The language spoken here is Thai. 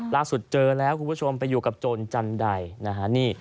ล่าสุดเจอแล้วคุณผู้ชมไปอยู่กับโจรจันใดนะฮะ